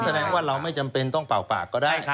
แสดงว่าเราไม่จำเป็นต้องเป่าปากก็ได้